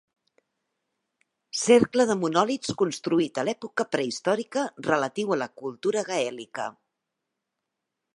Cercle de monòlits construït a l'època prehistòrica, relatiu a la cultura gaèlica.